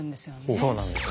そうなんですよ。